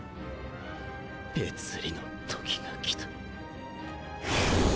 別離の時が来た。